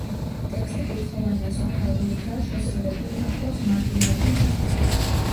ტექსტი კუთხოვანი ასომთავრულითაა შესრულებული, ახლავს მარგინალური ნიშნები.